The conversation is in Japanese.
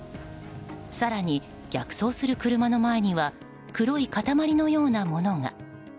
更に、逆走する車の前には黒い塊のようなものが。